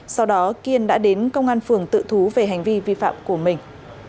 sau đó kiên đã đến công an phường tự thú về hành vi vi phạm của mình